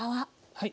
はい。